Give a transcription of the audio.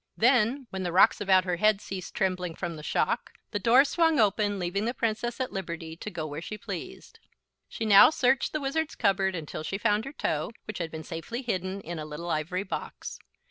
Then, when the rocks about her had ceased trembling from the shock, the door swung open, leaving the Princess at liberty to go where she pleased. She now searched the Wizard's cupboard until she found her toe, which had been safely hidden in a little ivory box.